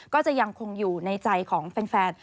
ก็จะยังคงอยู่ในใจของแฟน